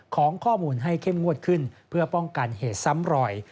ของข้อมูลให้เข้มงวดขึ้นเพื่อป้องกันเหตุซ้ำรอย